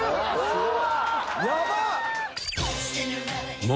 うわ！